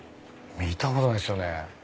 見たことないっすよね。